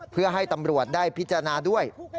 เพื่อให้ตำรวจได้พิจารณาด้วย